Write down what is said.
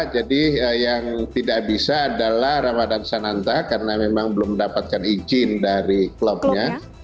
jadi yang tidak bisa adalah ramadhan sananta karena memang belum mendapatkan izin dari klubnya